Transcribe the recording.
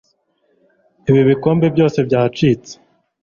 Ibi bikombe byose byacitse